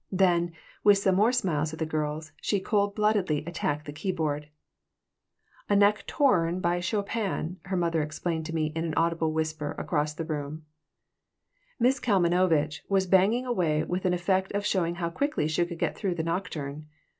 Then, with some more smiles at the girls, she cold bloodedly attacked the keyboard "A nauctourrn by Chopin," her mother explained to me in an audible whisper across the room Miss Kalmanovitch was banging away with an effect of showing how quickly she could get through the nocturne.